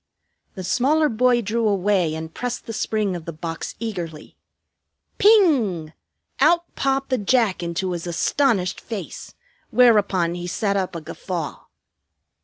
The smaller boy drew away and pressed the spring of the box eagerly. Ping! Out popped the Jack into his astonished face; whereupon he set up a guffaw.